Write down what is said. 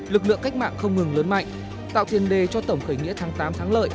lực lượng cách mạng không ngừng lớn mạnh tạo tiền đề cho tổng khởi nghĩa tháng tám thắng lợi